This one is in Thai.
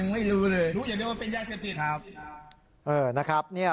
ไม่รู้เลยรู้อย่างเดียวว่าเป็นยาเสพติดครับ